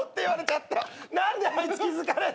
何であいつ気付かねえ。